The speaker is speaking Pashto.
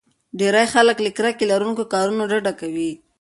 ډېری خلک له کرکې لرونکو کارونو ډډه کوي.